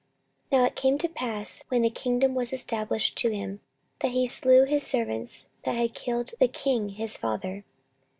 14:025:003 Now it came to pass, when the kingdom was established to him, that he slew his servants that had killed the king his father.